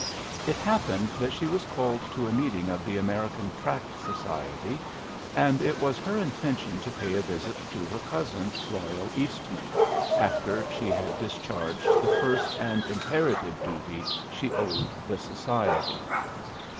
It happened that she was called to a meeting of the American Tract Society, and it was her intention to pay a visit to her cousin, Royall Eastman, after she had discharged the first and imperative duty she owed the society.